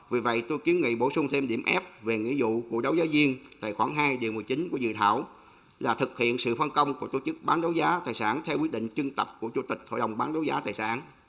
vì vậy tôi kiến nghị bổ sung thêm điểm f về nghĩa dụ của đấu giá duyên tại khoảng hai điều một mươi chín của dự thảo là thực hiện sự phân công của tổ chức bán đấu giá tài sản theo quy định chưng tập của chủ tịch hội đồng bán đấu giá tài sản